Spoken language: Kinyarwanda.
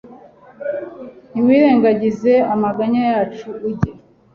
ntiwirengagize amaganya yacu, ujye